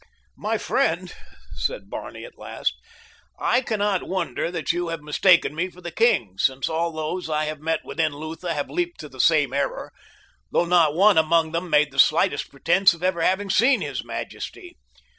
"My friend," said Barney at last, "I cannot wonder that you have mistaken me for the king, since all those I have met within Lutha have leaped to the same error, though not one among them made the slightest pretense of ever having seen his majesty.